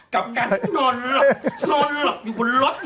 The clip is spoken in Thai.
กับกันนอนหรอกอยู่ขนรถเนี่ย